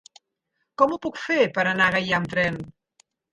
Com ho puc fer per anar a Gaià amb tren?